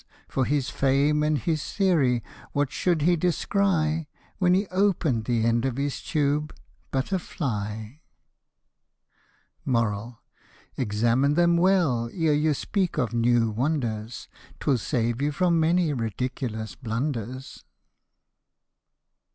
8 For his fame and his theory what should he descry, When he open'd the end of his tube, but a jly ! Examine them well, ere you speak of new wonders : 'Twill save you from many ridiculous blunders.